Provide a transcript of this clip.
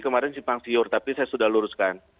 kemarin si pang siyur tapi saya sudah luruskan